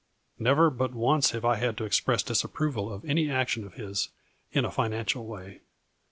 " Never but once have I had to express disap proval of any action of his, in a financial way.